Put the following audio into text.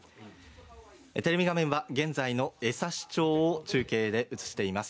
テレビ画面は現在の江差町を映しています。